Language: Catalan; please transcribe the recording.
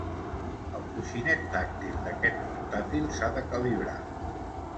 El coixinet tàctil d'aquest portàtil s'ha de calibrar.